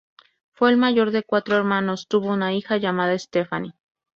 Fue el mayor de cuatro hermanos, tuvo una hija llamada Stephanie.